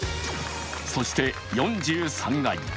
そして４３階。